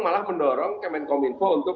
malah mendorong kemenkominfo untuk